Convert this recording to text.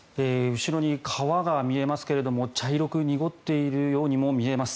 後ろに川が見えますが茶色く濁っているようにも見えます。